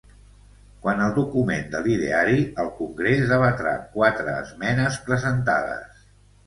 Quant al document de l’ideari, el congrés debatrà quatre esmenes presentades.